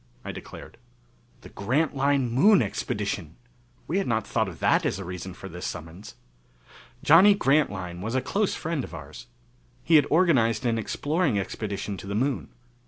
I declared. The Grantline Moon Expedition! We had not thought of that as a reason for this summons. Johnny Grantline was a close friend of ours. He had organized an exploring expedition to the Moon.